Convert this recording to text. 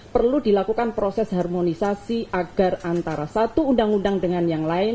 perlu dilakukan proses harmonisasi agar antara satu undang undang dengan yang lain